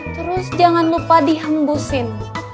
terus jangan lupa dihembusin